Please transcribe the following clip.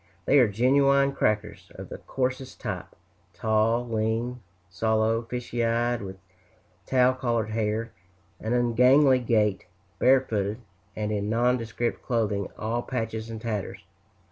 They are genuine "crackers," of the coarsest type tall, lean, sallow, fishy eyed, with tow colored hair, an ungainly gait, barefooted, and in nondescript clothing all patches and tatters.